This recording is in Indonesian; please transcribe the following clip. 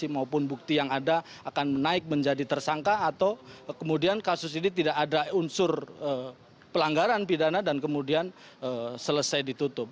maupun bukti yang ada akan menaik menjadi tersangka atau kemudian kasus ini tidak ada unsur pelanggaran pidana dan kemudian selesai ditutup